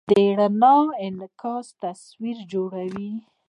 د رڼا انعکاس تصویر جوړوي.